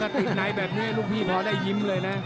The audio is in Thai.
ถ้าติดในแบบนี้ลูกพี่พอได้ยิ้มเลยนะ